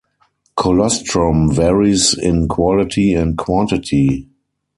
Colostrum varies in quality and quantity.